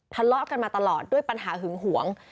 ทะเลาะกันมาตลอดด้วยปัญหาหึงหวง